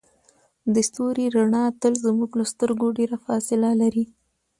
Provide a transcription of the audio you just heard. د ستوري رڼا تل زموږ له سترګو ډیره فاصله لري.